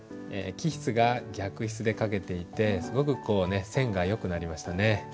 起筆が逆筆で書けていてすごく線がよくなりましたね。